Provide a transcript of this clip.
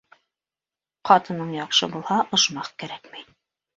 Ҡатының яҡшы булһа, ожмах кәрәкмәй.